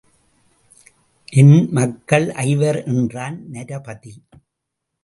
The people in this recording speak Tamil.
என் மக்கள் ஐவர் என்றான் நரபதி.